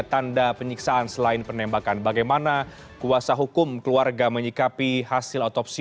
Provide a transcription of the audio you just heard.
tanda penyiksaan selain penembakan bagaimana kuasa hukum keluarga menyikapi hasil otopsi